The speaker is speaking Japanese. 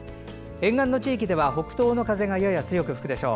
沿岸の地域では北東の風がやや強く吹くでしょう。